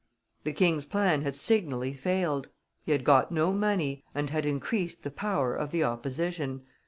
The King's plan had signally failed; he had got no money, and had increased the power of the opposition.